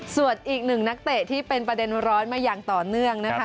ส่วนอีกหนึ่งนักเตะที่เป็นประเด็นร้อนมาอย่างต่อเนื่องนะคะ